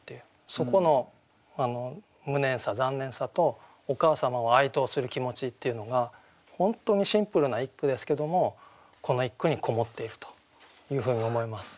そこの無念さ残念さとお母様を哀悼する気持ちっていうのが本当にシンプルな一句ですけどもこの一句にこもっているというふうに思います。